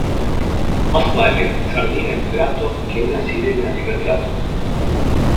Más vale sardina en plato que una sirena en retrato.